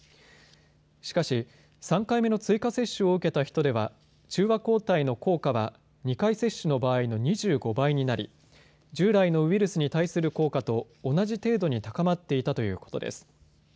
しかし、３回目の追加接種を受けた人では中和抗体の効果は２回接種の場合の２５倍になり従来のウイルスに対する効果と同じ程度に高まっていたということです。